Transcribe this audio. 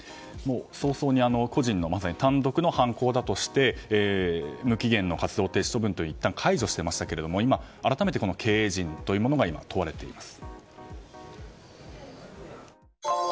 早々に個人の単独の犯行だとして無期限の活動停止処分はいったん解除していましたけども今は、改めて経営陣が問われています。